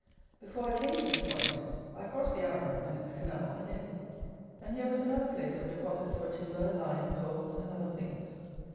Before I came to this point, I crossed the Arun and its canal again; and here was another place of deposit for timber, lime, coals, and other things.